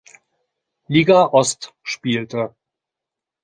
Liga Ost spielte.